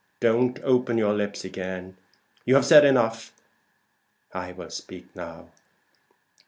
"Don't open your lips again. You have said enough; I will speak now.